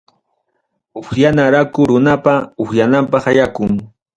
Upyana yakuqa runapa upyananpaq yakum.